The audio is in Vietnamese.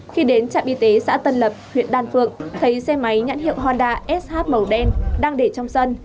khi đến trạm y tế xã tân lập huyện đan phượng thấy xe máy nhãn hiệu honda sh màu đen đang để trong sân